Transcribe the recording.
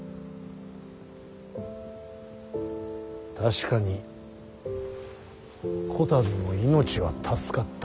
確かにこたびも命は助かった。